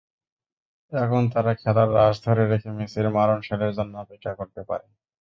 এখন তারা খেলার রাশ ধরে রেখে মেসির মারণশেলের জন্য অপেক্ষা করতে পারে।